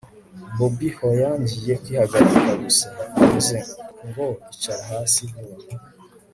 bobi hoya ngiye kwihagarika gusa! ndavuze ngo icara hasi vuba